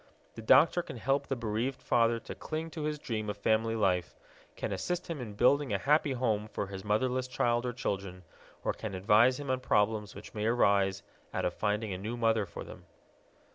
The doctor can help the bereaved father to cling to his dream of family life, can assist him in building a happy home for his motherless child or children, or can advise him on problems which may arise out of finding a new mother for them.